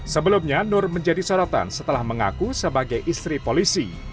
sebelumnya nur menjadi sorotan setelah mengaku sebagai istri polisi